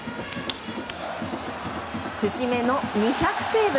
節目の２００セーブ！